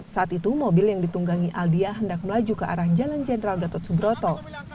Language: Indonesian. saat itu mobil yang ditunggangi aldia hendak melaju ke arah jalan jenderal gatot subroto